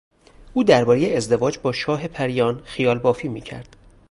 او دربارهی ازدواج با شاه پریان خیالبافی میکرد.